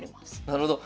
なるほど。